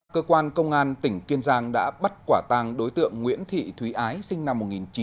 cơ quan công an tỉnh kiên giang đã bắt quả tàng đối tượng nguyễn thị thúy ái sinh năm một nghìn chín trăm tám mươi